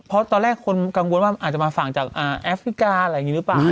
เพราะตอนแรกคนกังวลว่าอาจจะมาฝั่งจากแอฟริกาอะไรอย่างนี้หรือเปล่า